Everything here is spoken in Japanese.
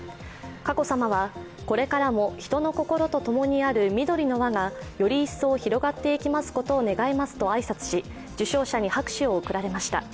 佳子さまは、これからも人の心と友にある緑の「わ」がより一層広がっていきますことを願いますと挨拶し受賞者に拍手を贈られました。